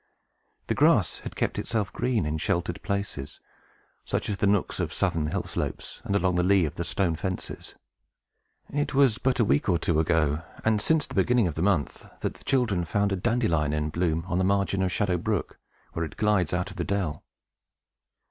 The grass had kept itself green, in sheltered places, such as the nooks of southern hill slopes, and along the lee of the stone fences. It was but a week or two ago, and since the beginning of the month, that the children had found a dandelion in bloom, on the margin of Shadow Brook, where it glides out of the dell.